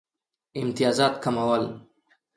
امتیازات کمول.